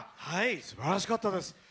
すばらしかったです。